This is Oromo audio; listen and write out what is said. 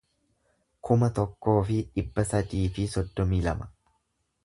kuma tokkoo fi dhibba sadii fi soddomii lama